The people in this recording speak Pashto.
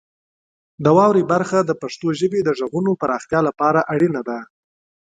د واورئ برخه د پښتو ژبې د غږونو پراختیا لپاره اړینه ده.